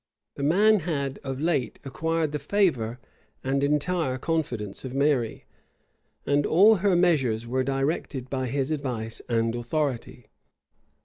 This man had of late acquired the favor and entire confidence of Mary; and all her measures were directed by his advice and authority.